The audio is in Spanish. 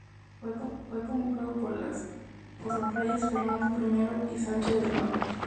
Fue convocado por los reyes Fernando I y Sancha de León.